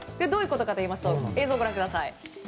どういうことかというと映像をご覧ください。